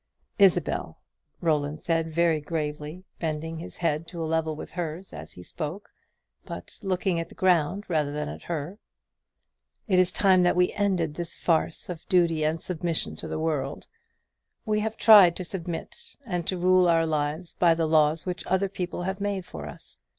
"Isabel," Roland said, very gravely, bending his head to a level with hers, as he spoke, but looking at the ground rather than at her, "It is time that we ended this farce of duty and submission to the world; we have tried to submit, and to rule our lives by the laws which other people have made for us.